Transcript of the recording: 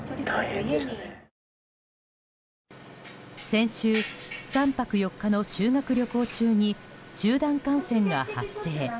先週３泊４日の修学旅行中に集団感染が発生。